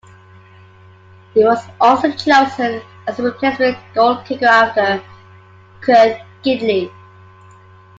He was also chosen as the replacement goal kicker after Kurt Gidley.